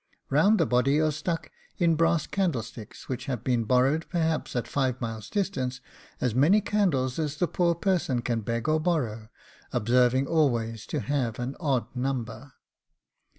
Round the body are stuck in brass candlesticks, which have been borrowed perhaps at five miles' distance, as many candles as the poor person can beg or borrow, observing always to have an odd number.